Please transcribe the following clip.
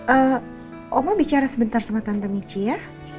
eh oma bicara sebentar sama tante mici ya